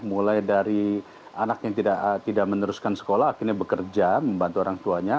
mulai dari anak yang tidak meneruskan sekolah akhirnya bekerja membantu orang tuanya